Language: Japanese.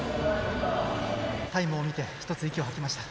タイムを見て一つ息を吐きました。